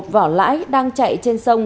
một vỏ lãi đang chạy trên sông